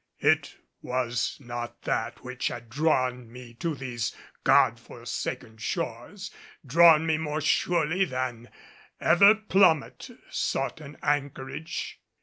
It was not that which had drawn me to these God forsaken shores drawn me more surely than ever plummet sought an anchorage.